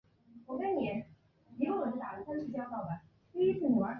应课差饷租值是评估差饷的基础。